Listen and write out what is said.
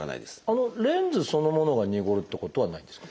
あのレンズそのものがにごるってことはないんですか？